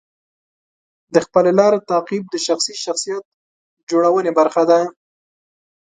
د خپلې لارې تعقیب د شخصي شخصیت جوړونې برخه ده.